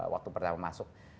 waktu pertama masuk